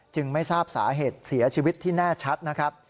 ไม่ทราบสาเหตุเสียชีวิตที่แน่ชัดนะครับ